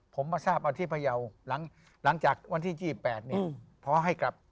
ผมไม่ทราบอันที่๒๘พอให้กลับ